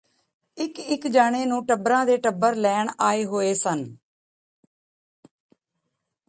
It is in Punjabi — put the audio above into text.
ਇੱਕ ਇੱਕ ਜਾਣੇ ਨੂੰ ਟਬਰਾਂ ਦੇ ਟੱਬਰ ਲੈਣ ਆਏ ਹੋਏ ਸਨ